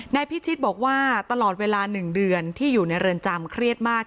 พิชิตบอกว่าตลอดเวลา๑เดือนที่อยู่ในเรือนจำเครียดมาก